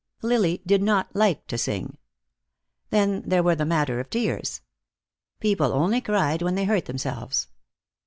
Lily did not like to sing. Then there was the matter of tears. People only cried when they hurt themselves.